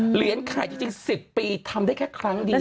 ขายจริง๑๐ปีทำได้แค่ครั้งเดียว